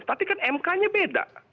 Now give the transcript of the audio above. tapi kan mk nya beda